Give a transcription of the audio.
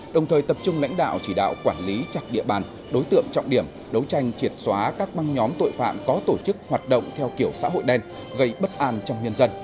đồng thời tập trung lãnh đạo chỉ đạo quản lý chặt địa bàn đối tượng trọng điểm đấu tranh triệt xóa các băng nhóm tội phạm có tổ chức hoạt động theo kiểu xã hội đen gây bất an trong nhân dân